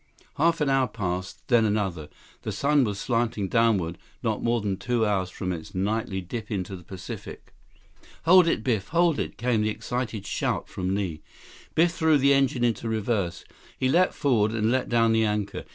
Half an hour passed; then another. The sun was slanting downward, not more than two hours from its nightly dip into the Pacific. "Hold it, Biff! Hold it!" came the excited shout from Li. Biff threw the engine into reverse. He leaped forward and let down the anchor.